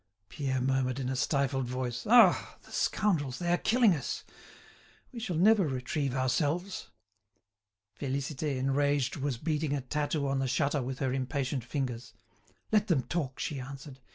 Pierre murmured in a stifled voice. "Ah! the scoundrels, they are killing us; we shall never retrieve ourselves." Félicité, enraged, was beating a tattoo on the shutter with her impatient fingers. "Let them talk," she answered.